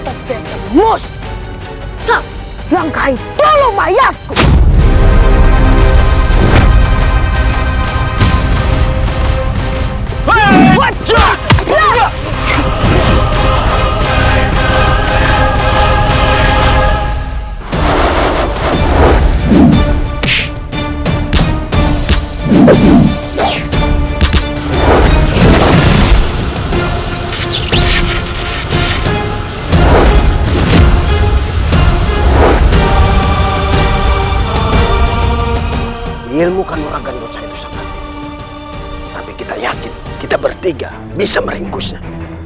tapi kita yakin kita bertiga bisa meringkusnya